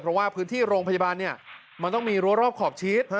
เพราะว่าพื้นที่โรงพยาบาลเนี่ยมันต้องมีรั้วรอบขอบชีส